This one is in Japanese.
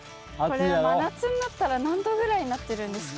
これは真夏になったら何℃ぐらいになってるんですか？